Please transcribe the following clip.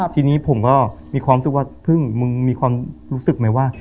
ทีนี้ผมก็มีความรู้สึกว่ามึงมีความรู้สึกไหมว่า